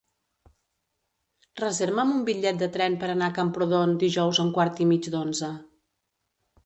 Reserva'm un bitllet de tren per anar a Camprodon dijous a un quart i mig d'onze.